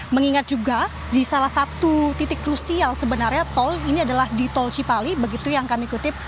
mengingat juga di salah satu titik krusial sebenarnya tol ini adalah di tol cipali begitu yang kami kutip